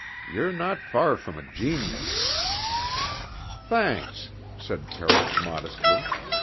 Ye're no far from a genius." "Thanks," said Carroll modestly.